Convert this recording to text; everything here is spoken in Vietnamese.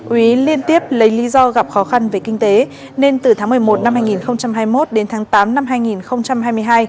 úy liên tiếp lấy lý do gặp khó khăn về kinh tế nên từ tháng một mươi một năm hai nghìn hai mươi một đến tháng tám năm hai nghìn hai mươi hai